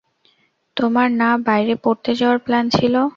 তোমার না বাইরে পড়তে যাওয়ার প্ল্যান ছিল?